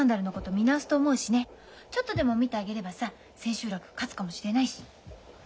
ちょっとでも診てあげればさ千秋楽勝つかもしれないし。